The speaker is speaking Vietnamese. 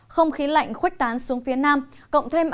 không khí lạnh khuếch tán xuống phía nam